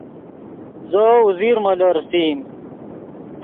زو اوزیر مولو ریسئیم